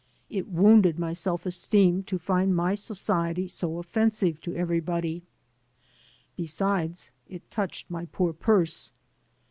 It wounded my self esteem to find my society so offensive to everybody. Besides, it touched my poor purse.